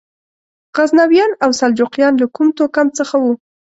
غزنویان او سلجوقیان له کوم توکم څخه وو؟